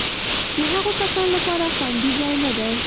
د هغو کسانو لپاره خوندي ځای نه دی.